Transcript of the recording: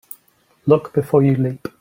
Look before you leap.